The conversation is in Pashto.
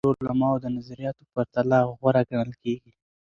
د ابن خلدون نظریات د نورو علماؤ د نظریاتو په پرتله غوره ګڼل کيږي.